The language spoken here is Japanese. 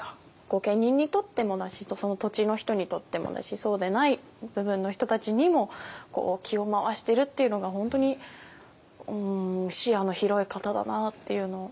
御家人にとってもだしその土地の人にとってもだしそうでない部分の人たちにも気を回してるっていうのが本当に視野の広い方だなっていうのを。